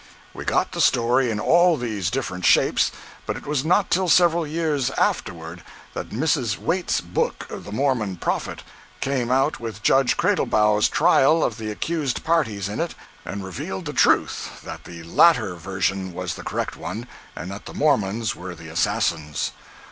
We got the story in all these different shapes, but it was not till several years afterward that Mrs. Waite's book, "The Mormon Prophet," came out with Judge Cradlebaugh's trial of the accused parties in it and revealed the truth that the latter version was the correct one and that the Mormons were the assassins.